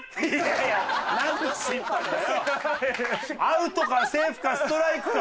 アウトかセーフかストライクか